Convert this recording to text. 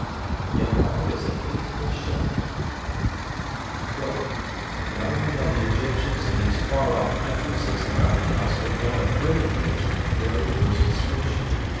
Yet all was a hateful sham ['The government of the Egyptians in these far off countries is nothing else but one of brigandage of the very worst description.'